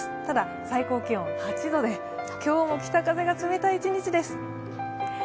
ただ最高気温８度で、今日も北風が冷たい一日です。